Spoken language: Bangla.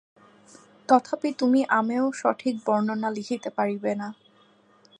তথাপি তুমি একটি আমেরও সঠিক বর্ণনা লিখিতে পারিবে না।